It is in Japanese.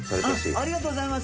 ありがとうございます。